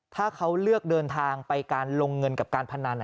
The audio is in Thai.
ถ้าเขาเลือกเดินทางไปการลงเงินกับการพนัน